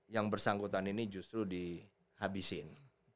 yang bersangkutan ini justru dihabisin